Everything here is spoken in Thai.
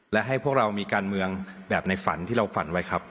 และให้พวกเรามีการเมืองแบบในฝันที่เราฝันไว้ครับ